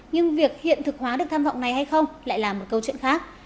nhưng việc hiện thực hóa được tham vọng này hay không lại là một câu chuyện khác